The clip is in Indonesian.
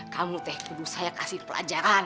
kamu teh aduh saya kasih pelajaran